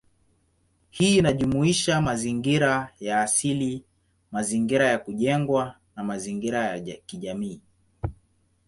Hii inajumuisha mazingira ya asili, mazingira ya kujengwa, na mazingira ya kijamii.